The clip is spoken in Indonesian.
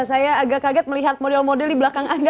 saya agak kaget melihat model model di belakang anda